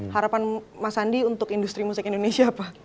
harapan mas andi untuk industri musik indonesia apa